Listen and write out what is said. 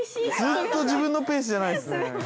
ずっと自分のペースじゃないですね。